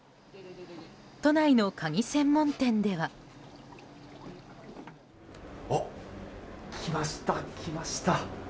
都内のカニ専門店では。来ました、来ました。